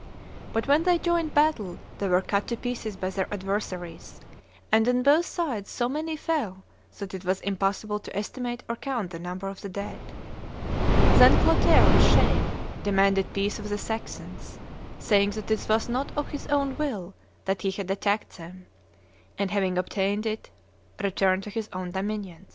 But when they joined battle they were cut to pieces by their adversaries, and on both sides so many fell that it was impossible to estimate or count the number of the dead. Then Clotaire with shame demanded peace of the Saxons, saying that it was not of his own will that he had attacked them; and, having obtained it, returned to his own dominions."